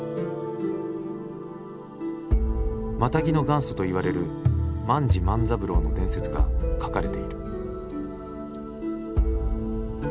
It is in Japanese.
マタギの元祖と言われる万事万三郎の伝説が書かれている。